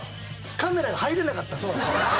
カメラが入れなかった。